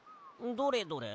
どれどれ？